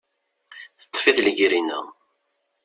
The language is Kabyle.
Teṭṭef-it legrina.